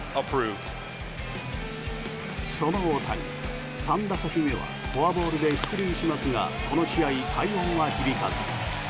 その大谷、３打席目はフォアボールで出塁しますがこの試合、快音は響かず。